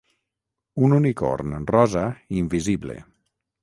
Un unicorn rosa invisible.